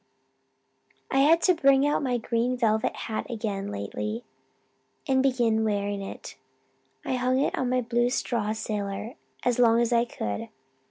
"I had to bring out my green velvet hat again lately and begin wearing it. I hung on to my blue straw sailor as long as I could.